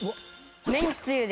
めんつゆです。